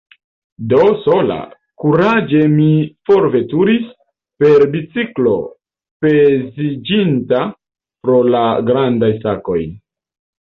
Do, sola, kuraĝe mi forveturis per biciklo, peziĝinta pro du grandaj sakoj.